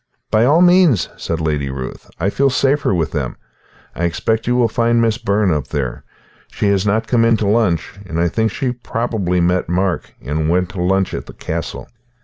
"By all means," said Lady Ruth. "I feel safer with them. I expect you will find Miss Byrne up there. She has not come in to lunch, and I think she probably met Mark and went to lunch at the castle.